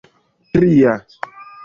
tria